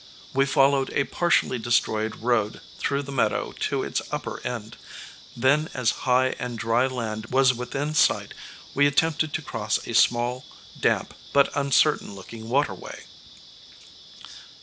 We followed a partially destroyed road through the meadow to its upper end. Then as high and dry land was within sight we attempted to cross a small, damp, but uncertain looking waterway.